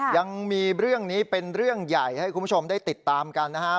ยังมีเรื่องนี้เป็นเรื่องใหญ่ให้คุณผู้ชมได้ติดตามกันนะครับ